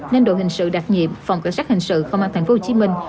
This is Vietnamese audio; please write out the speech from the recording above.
nên đội hình sự đặc nhiệm phòng cảnh sát hình sự công an thành phố hồ chí minh